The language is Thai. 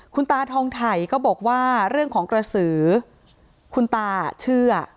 คุณตาทองไถ่ก็บอกว่าเรื่องของกระสือคุณตาเชื่อ